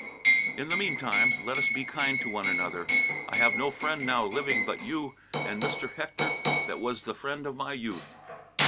"In the meantime, let us be kind to one another. I have no friend now living but you and Mr. Hector that was the friend of my youth.